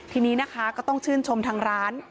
ทีนี้นะคะก็ต้องชื่นชมทางร้าน